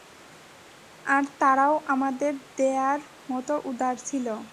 আর তারাও আমাদের দেয়ার মতো উদার ছিল।